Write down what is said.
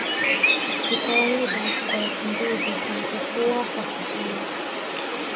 ni kawaida kwa wakimbizi wanapokuwa wakihama